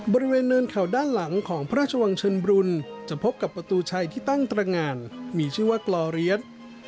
บริเวณเนินเขาด้านหลังของพระราชวังเชิญบรุนจะพบกับประตูชัยที่ตั้งตรงานมีชื่อว่ากลอเรียส